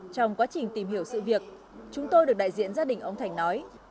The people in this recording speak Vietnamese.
trong quá trình tìm hiểu sự việc chúng tôi được đại diện gia đình ông thành nói